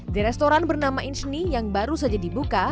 di restoran bernama inchney yang baru saja dibuka